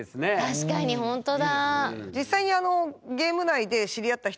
確かにほんとだ！